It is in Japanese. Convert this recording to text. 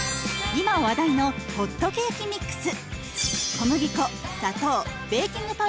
今話題のホットケーキミックス。